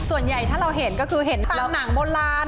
ส่วนใหญ่ถ้าเราเห็นก็คือเห็นตามหนังโบราณ